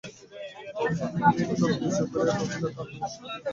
হেমনলিনী চোখ নিচু করিয়া কহিল, কারণ অবশ্যই কিছু আছে।